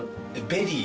ベリー？